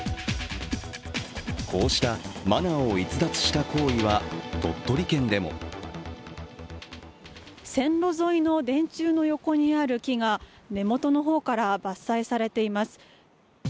こうしたマナーを逸脱した行為は鳥取県でも線路沿いの電柱の横にある木が根本の方から伐採されています。